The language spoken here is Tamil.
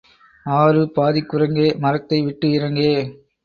ஆறு பாதிக் குரங்கே, மரத்தை விட்டு இறங்கே.